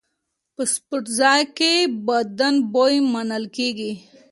په سپورتځای کې بدن بوی منل کېږي.